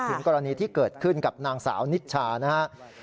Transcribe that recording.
กรณีที่เกิดขึ้นกับนางสาวนิชชานะครับ